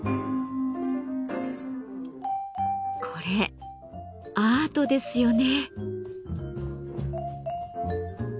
これアートですよね。